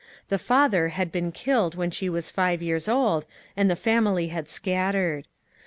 The father had been killed when she was five years old, and the family had scattered.